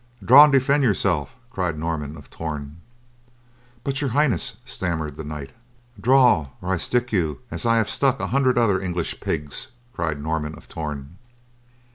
"Draw and defend yourself," cried Norman of Torn. "But, Your Highness," stammered the knight. "Draw, or I stick you as I have stuck an hundred other English pigs," cried Norman of Torn.